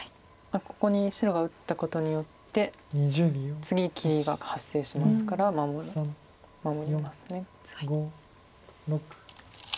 ここに白が打ったことによって次切りが発生しますから守ります。